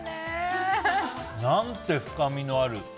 何て深みのある。